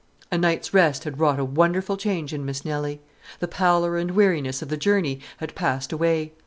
A night's rest had wrought a wonderful change in Miss Nelly. The pallor and weariness of the journey had passed away.